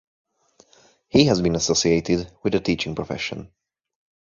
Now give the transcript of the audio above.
He has been associated with the teaching profession.